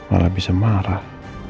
malah bisa marah